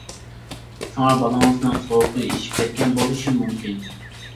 شۇڭا بالىڭىزنىڭ سوغۇقى ئېشىپ كەتكەن بولۇشى مۇمكىن.